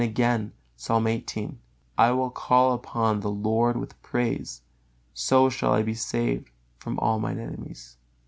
Again, Psalm xviii: "I will call upon the Lord with praise: so shall I be saved from all mine enemies."